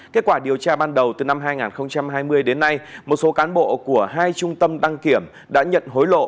kết quả điều tra ban đầu từ năm hai nghìn hai mươi đến nay một số cán bộ của hai trung tâm đăng kiểm đã nhận hối lộ